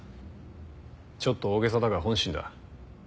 ちょっと大げさだが本心だ。